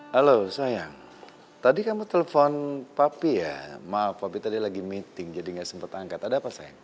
halo sayang tadi kamu telpon papi ya maaf papi tadi lagi meeting jadi nggak sempat angkat ada apa sayang